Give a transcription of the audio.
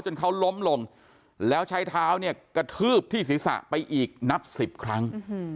เขาล้มลงแล้วใช้เท้าเนี่ยกระทืบที่ศีรษะไปอีกนับ๑๐ครั้ง